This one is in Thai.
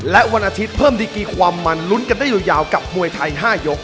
และวันอาทิตย์เพิ่มดีกีความมันลุ้นกันได้ยาวกับมวยไทย๕ยก